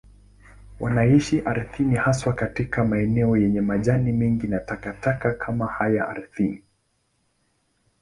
Wanaishi ardhini, haswa katika maeneo yenye majani mengi na takataka kama haya ardhini.